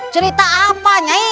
cerita apa nyai